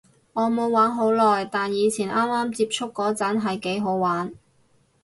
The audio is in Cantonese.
我冇玩好耐，但以前啱啱接觸嗰陣係幾好玩